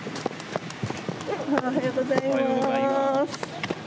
おはようございます。